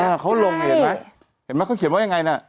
เขาลงเห็นไหมเห็นไหมเขาเขียนว่ายังไงน่ะ